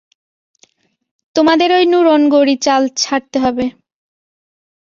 তোমাদের ঐ নুরনগরি চাল ছাড়তে হবে।